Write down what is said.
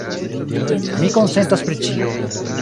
Mi konsentas pri ĉio.